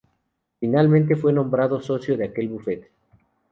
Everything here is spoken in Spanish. Finalmente, fue nombrado socio de aquel bufete.